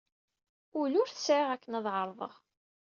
Ul ur t-sɛiɣ akken ad ɛerḍeɣ.